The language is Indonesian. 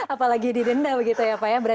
apalagi didenda begitu ya pak ya